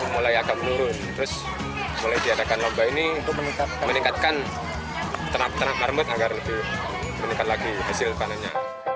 mulai akan menurun terus mulai diadakan lomba ini meningkatkan beternak marmut agar lebih meningkat lagi hasil panenya